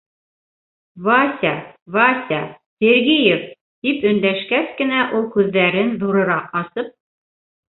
— Вася, Вася, Сергеев, — тип өндәшкәс кенә ул, күҙҙәрен ҙурыраҡ асып: